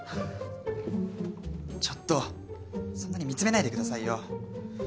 ちょっとそんなに見つめないでくださいよ。